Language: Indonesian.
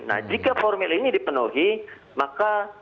nah jika formil ini dipenuhi maka